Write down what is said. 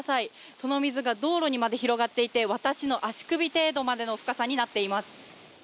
その水が道路にまで広がっていて、私の足首程度までの高さとなっています。